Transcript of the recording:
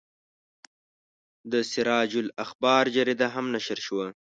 د سراج الاخبار جریده هم نشر شوه.